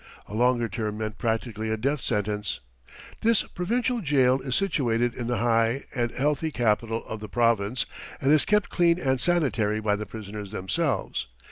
A longer term meant practically a death sentence. This provincial jail is situated in the high and healthy capital of the province, and is kept clean and sanitary by the prisoners themselves.